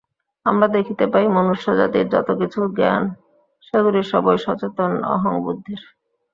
আমরা দেখিতে পাই, মনুষ্যজাতির যত কিছু জ্ঞান, সেগুলি সবই সচেতন অহংবুদ্ধির।